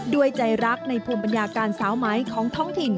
ด้วยใจรักในภูมิปัญญาการสาวไหมของท้องถิ่น